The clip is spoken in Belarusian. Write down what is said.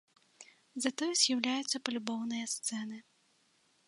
Затое з'яўляюцца палюбоўныя сцэны.